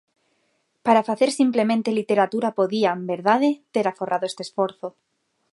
Para facer simplemente literatura podían, ¿verdade?, ter aforrado este esforzo.